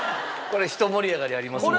ひと盛り上がりありますもんね。